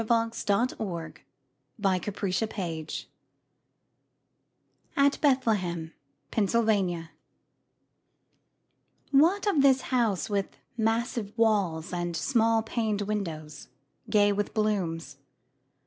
Sarah Orne Jewett The Widow's House (At Bethlehem, Pennsylvania) WHAT of this house with massive walls And small paned windows, gay with blooms?